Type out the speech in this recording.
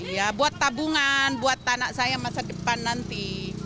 ya buat tabungan buat anak saya masa depan nanti